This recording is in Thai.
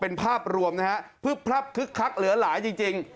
เป็นภาพรวมนะฮะพึบพลับคึกคักเหลือหลายจริง